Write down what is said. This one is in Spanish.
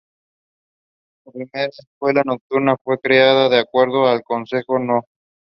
Su primera escuela nocturna fue creada por Acuerdo del Concejo No.